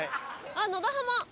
あっ野田浜。